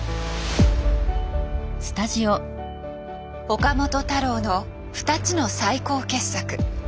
岡本太郎の２つの最高傑作。